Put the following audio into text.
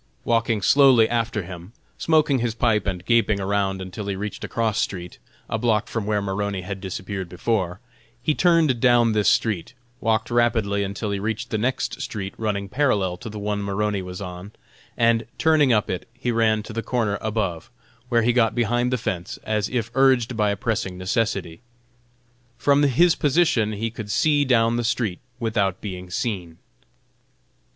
Walking slowly after him, smoking his pipe and gaping around, until he reached a cross street, a block from where Maroney had disappeared before, he turned down this street, walked rapidly until he reached the next street running parallel to the one Maroney was on, and turning up it he ran to the corner above, where he got behind the fence, as if urged by a pressing necessity. From his position he could see down the street without being seen.